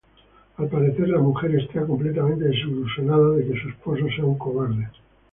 Al parecer la mujer esta completamente desilusionada de que su esposo sea un cobarde.